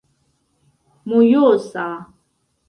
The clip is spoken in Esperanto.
mojosa